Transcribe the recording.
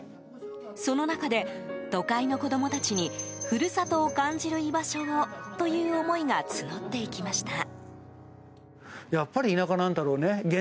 その中で、都会の子供たちに故郷を感じる居場所をという思いが募っていきました。